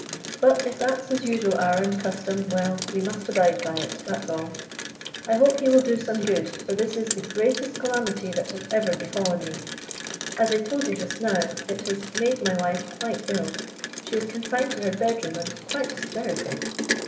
But if that's his usual hour and custom, well, we must abide by it, that's all. I hope he will do some good, for this is the greatest calamity that has ever befallen me. As I told you just now, it has made my wife quite ill. She is confined to her bedroom and quite hysterical."